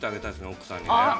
奥さんにね。